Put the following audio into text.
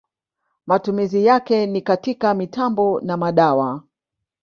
Matumizi yake ni katika mitambo na madawa.